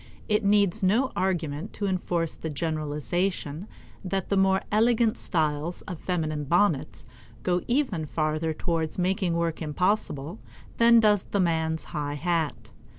It needs no argument to enforce the generalization that the more elegant styles of feminine bonnets go even farther towards making work impossible than does the man's high hat.